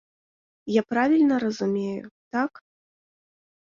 Я правільна разумею, так?